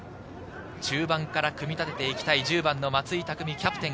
中盤から組み立てて行きたい、１０番・松井匠キャプテン。